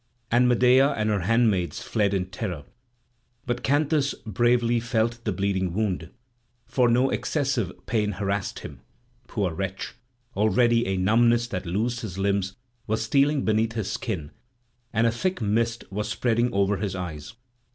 And Medea and her handmaids fled in terror; but Canthus bravely felt the bleeding wound; for no excessive pain harassed him. Poor wretch! Already a numbness that loosed his limbs was stealing beneath his skin, and a thick mist was spreading over his eyes.